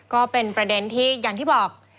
ก็เป็นประเด็นที่อย่างที่บอก